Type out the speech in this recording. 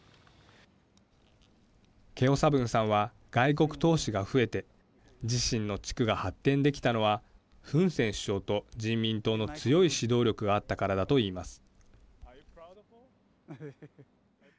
ケオ・サブンさんは外国投資が増えて自身の地区が発展できたのはフン・セン首相と人民党の強い指導力があったからだといいます。